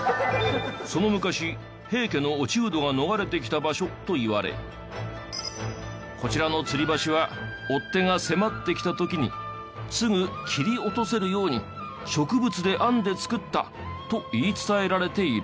その昔平家の落人が逃れてきた場所といわれこちらのつり橋は追っ手が迫ってきた時にすぐ切り落とせるように植物で編んで作ったと言い伝えられている。